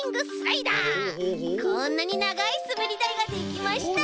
こんなにながいすべりだいができました！